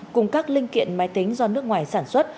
cùng các linh kiện máy tính do nước ngoài sản xuất